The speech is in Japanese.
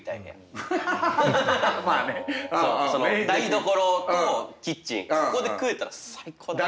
台所とキッチンそこで食えたら最高。